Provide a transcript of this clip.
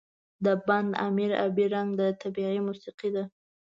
د بند امیر آبی رنګ د طبیعت موسيقي ده.